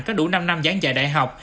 có đủ năm năm giảng dạy đại học